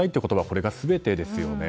これが全てですよね。